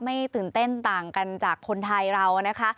ตื่นเต้นต่างกันจากคนไทยเรานะคะ